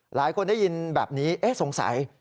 หลายคนได้ยินแบบนี้เอ๊ะสงสัย